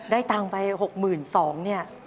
ได้ทางไป๖๒๐๐๐บาทเนี่ย